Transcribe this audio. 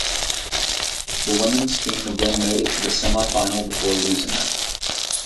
The women's team again made it to the semifinal before losing there.